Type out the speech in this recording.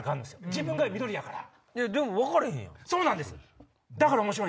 自分が緑やから。